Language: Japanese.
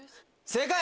正解！